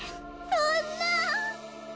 そんな。